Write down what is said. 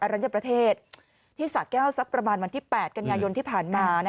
รัญญประเทศที่สะแก้วสักประมาณวันที่๘กันยายนที่ผ่านมา